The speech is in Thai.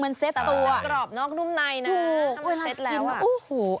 มันเซ็ตตัวแต่มันกรอบนอกนุ่มในนะถูกเวลาที่กินอู้หู